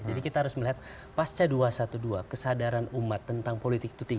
jadi kita harus melihat pasca dua ratus dua belas kesadaran umat tentang politik itu tiga